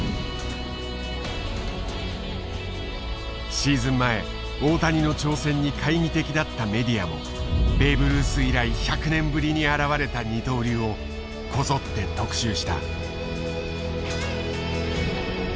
シーズン前大谷の挑戦に懐疑的だったメディアもベーブ・ルース以来１００年ぶりに現れた二刀流をこぞって特集した。